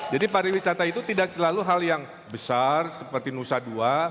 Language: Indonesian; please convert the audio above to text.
jadi pariwisata itu tidak selalu hal yang besar seperti nusa dua